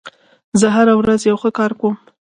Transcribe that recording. زه هره ورځ یو ښه کار کوم.